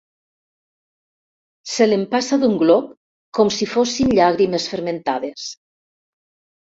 Se l'empassa d'un glop, com si fossin llàgrimes fermentades.